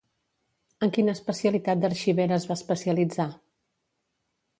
En quina especialitat d'arxivera es va especialitzar?